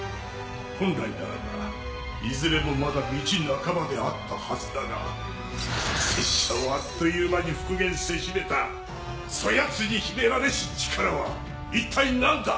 本来ならばいずれもまだ道半ばであったはずだが拙者をあっという間に復元せしめたそやつに秘められし力はいったい何だ！？